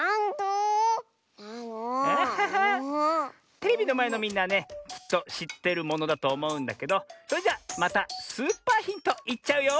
テレビのまえのみんなはねきっとしっているものだとおもうんだけどそれじゃまたスーパーヒントいっちゃうよ！